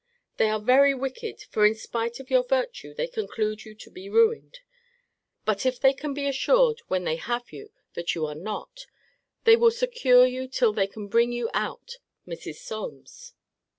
They are very wicked: for in spite of your virtue they conclude you to be ruined. But if they can be assured when they have you that you are not, they will secure you till they can bring you out Mrs. Solmes.